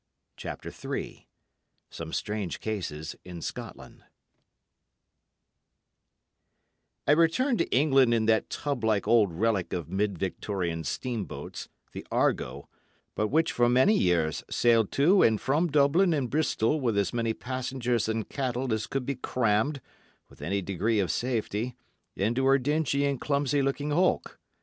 CHAPTER III SOME STRANGE CASES IN SCOTLAND I returned to England in that "tub like" old relic of mid Victorian steamboats, "The Argo"—long since defunct, but which for many years sailed to and from Dublin and Bristol with as many passengers and cattle as could be crammed, with any degree of safety, into her dingy and clumsy looking hulk.